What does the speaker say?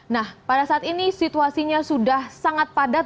nah pada saat ini situasinya sudah sangat padat